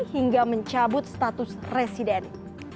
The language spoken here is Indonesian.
hingga mencabut status resident